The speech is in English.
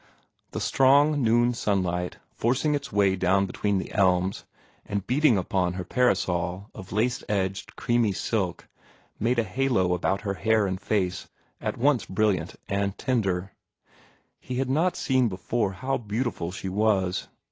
The strong noon sunlight, forcing its way down between the elms, and beating upon her parasol of lace edged, creamy silk, made a halo about her hair and face at once brilliant and tender. He had not seen before how beautiful she was.